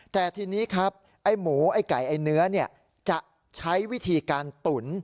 แต่ทีนี้ครับไอ้หมูไอ้ไก่ไอ้เนื้อจะใช้วิธีการตุ๋น